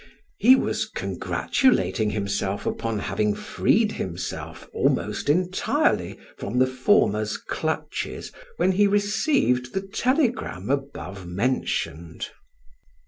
He was congratulating himself upon having freed himself almost entirely from the former's clutches, when he received the telegram above mentioned.